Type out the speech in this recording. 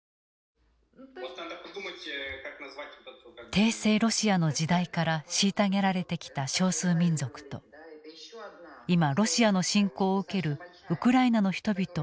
帝政ロシアの時代から虐げられてきた少数民族と今ロシアの侵攻を受けるウクライナの人々を重ね合わせている。